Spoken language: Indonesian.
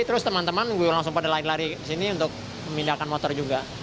terus teman teman langsung pada lari lari ke sini untuk memindahkan motor juga